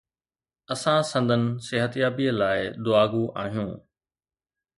اسان سندن صحتيابي لاءِ دعاگو آهيون.